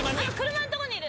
車のところにいる！